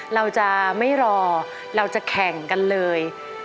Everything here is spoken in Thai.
เราจะไม่รอเราจะแข่งกันเลย